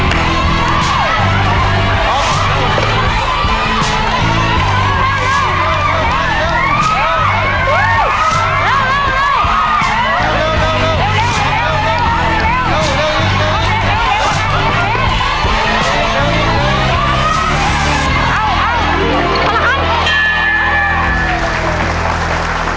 เร็ว